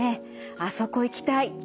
あそこ行きたい」。